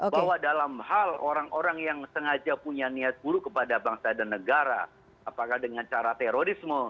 bahwa dalam hal orang orang yang sengaja punya niat buruk kepada bangsa dan negara apakah dengan cara terorisme